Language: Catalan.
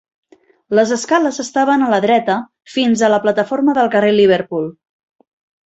Les escales estaven a la dreta fins a la plataforma del carrer Liverpool.